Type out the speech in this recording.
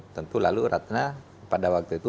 tentu lalu ratna pada waktu itu